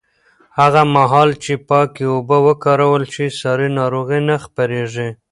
هغه مهال چې پاکې اوبه وکارول شي، ساري ناروغۍ نه خپرېږي.